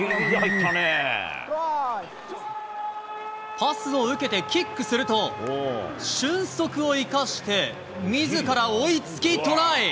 パスを受けてキックすると、俊足を生かしてみずから追いつき、トライ。